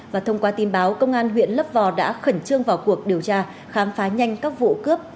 và thông qua tin báo công an huyện lấp vò đã khẩn trương vào cuộc điều tra khám phá nhanh các vụ cướp